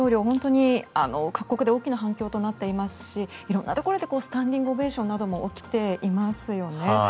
本当に各国で大きな反響となっていますしいろんなところでスタンディングオベーションも起きていますよね。